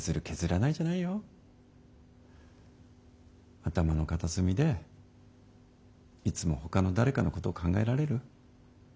頭の片隅でいつもほかの誰かのことを考えられる。